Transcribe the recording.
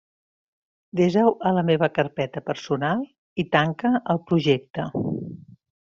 Desa-ho a la meva carpeta personal i tanca el projecte.